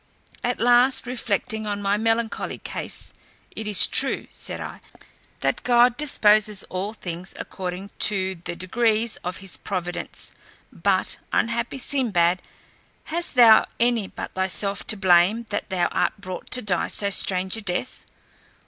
At last, reflecting on my melancholy case, "It is true," said I, "that God disposes all things according to the degrees of his providence; but, unhappy Sinbad, hast thou any but thyself to blame that thou art brought to die so strange a death?